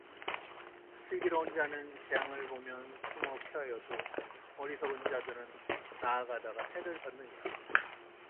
슬기로운 자는 재앙을 보면 숨어 피하여도 어리석은 자들은 나아가다가 해를 받느니라